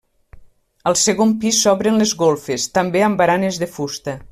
Al segon pis s'obren les golfes, també amb baranes de fusta.